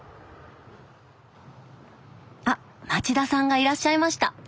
あっ町田さんがいらっしゃいました。